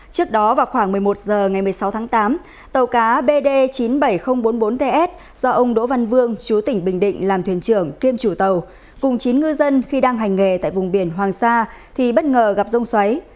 trước đó vào khoảng một mươi một h ngày một mươi sáu tháng tám tàu cá bd chín mươi bảy nghìn bốn mươi bốn ts do ông đỗ văn vương chú tỉnh bình định làm thuyền trưởng kiêm chủ tàu cùng chín ngư dân khi đang hành nghề tại vùng biển hoàng sa thì bất ngờ gặp rông xoáy